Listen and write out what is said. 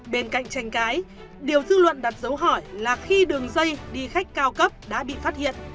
bên cạnh tranh cái điều dư luận đặt dấu hỏi là khi đường dây đi khách cao cấp đã bị phát hiện